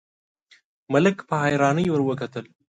ملک په حيرانۍ ور وکتل: